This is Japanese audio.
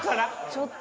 ちょっと。